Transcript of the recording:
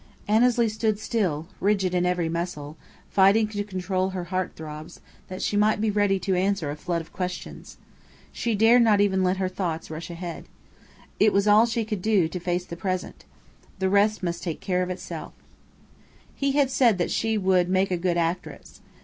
Annesley stood still, rigid in every muscle, fighting to control her heart throbs, that she might be ready to answer a flood of questions. She dared not even let her thoughts rush ahead. It was all she could do to face the present. The rest must take care of itself. He had said that she would "make a good actress."